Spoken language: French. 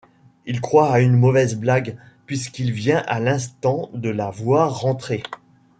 Il croit à une mauvaise blague, puisqu'il vient à l'instant de la voir rentrer.